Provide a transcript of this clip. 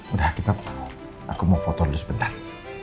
udah aku mau foto dulu sebentar